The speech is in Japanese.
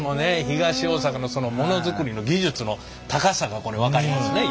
東大阪のモノづくりの技術の高さがこれ分かりますね。